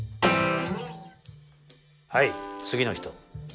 はい次の人。